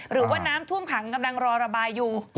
หรือว่าน้ำท่วมขังกำลังรอระบายอยู่